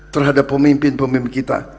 terhadap pemimpin pemimpin kita